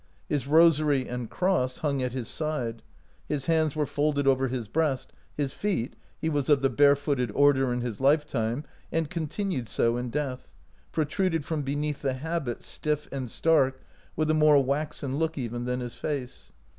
His rosary and cross hung at his side ; his hands were folded over his breast ; his feet — he was of the barefooted order in his lifetime, and con tinued so in death — protruded from be neath the habit, stiff and stark, with a more waxen look even than his face.